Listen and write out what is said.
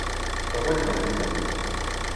Va guanyar la lluita?